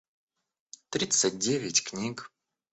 тридцать девять книг